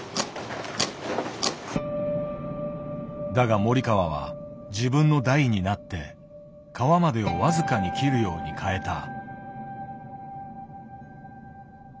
だが森川は自分の代になって皮までを僅かに切るように変えた。